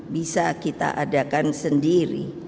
bisa kita adakan sendiri